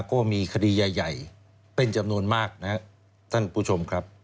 ก็มีคดีใหญ่เป็นจำนวนมากนะครับท่านผู้ชมครับ